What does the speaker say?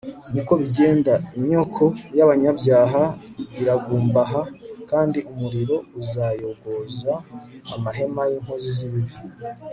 ni ko bigenda, inyoko y'abanyabyaha iragumbaha! kandi umuriro uzayogoza amahema y'inkozi z'ibibi